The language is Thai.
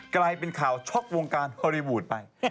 กลายเป็นข่าวช็อกวงการฮอลลีวูดไป